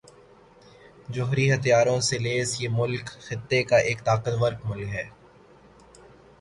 جوہری ہتھیاروں سے لیس یہ ملک خطے کا ایک طاقتور ملک ہے